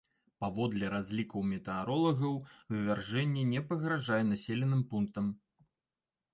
Паводле разлікаў метэаролагаў, вывяржэнне не пагражае населеным пунктам.